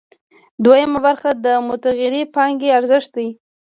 دویمه برخه د متغیرې پانګې ارزښت دی